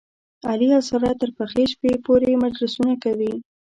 علي او ساره تر پخې شپې پورې مجلسونه کوي.